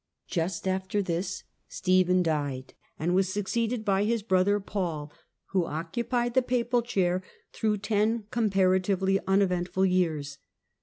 Just after this Stephen died and was succeeded by his brother Paul, *ho occupied the Papal chair through ten comparatively meventful years.